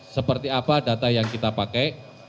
seperti apa data yang kita pakai